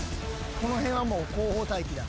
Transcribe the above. この辺は後方待機だ。